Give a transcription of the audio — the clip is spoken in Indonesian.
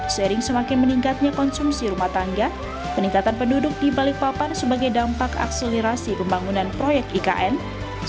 seiring semakin meningkatnya konsumsi rumah tangga peningkatan penduduk di balikpapan sebagai dampak akselerasi pembangunan proyek ikn